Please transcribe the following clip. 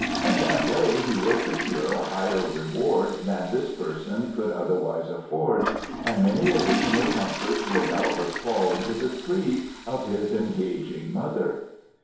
In that way he will secure a higher reward than this person could otherwise afford and many additional comforts will doubtless fall into the sleeve of his engaging mother."